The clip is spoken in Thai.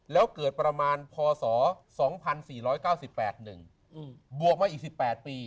แล้วเกิดประมาณพศ๒๔๙๘๑บวกมาอีก๑๘ปี